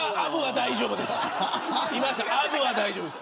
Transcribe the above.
アブは大丈夫です。